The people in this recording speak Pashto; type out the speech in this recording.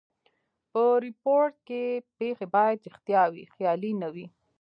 په ریپورټ کښي پېښي باید ریښتیا وي؛ خیالي نه وي.